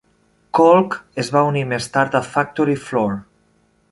Colk es va unir més tard a Factory Floor.